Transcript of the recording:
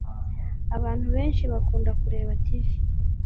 abantu benshi bakunda kureba tv